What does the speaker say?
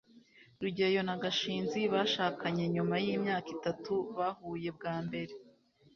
rugeyo na gashinzi bashakanye nyuma yimyaka itatu bahuye bwa mbere